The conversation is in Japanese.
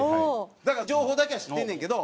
だから情報だけは知ってんねんけど。